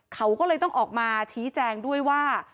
เขาก็เลยต้องออกมาชี้แจงด้วยว่า